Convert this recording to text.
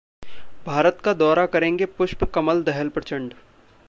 भारत का दौरा करेंगे पुष्प कमल दहल प्रचंड